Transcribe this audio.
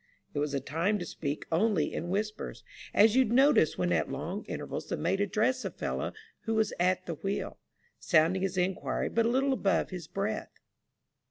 It was a time to speak only in whispers, as you'd notice when at long intervals the mate addressed the fellow who was at the wheel, sounding his inquiry but a little above his breath.